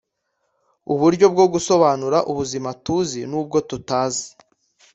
Uburyo bwo gusobanura ubuzima tuzi n'ubwo tutazi.